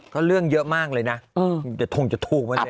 ก็เรื่องเยอะมากเลยนะแต่ทงจะถูกมากเลย